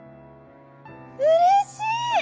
「うれしい！